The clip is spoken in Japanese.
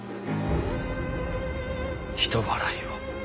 人払いを。